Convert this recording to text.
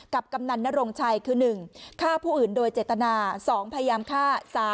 กำนันนรงชัยคือ๑ฆ่าผู้อื่นโดยเจตนา๒พยายามฆ่า